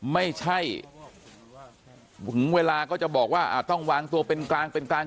ไม่ใช่ถึงเวลาก็จะบอกว่าต้องวางตัวเป็นกลางเป็นกลาง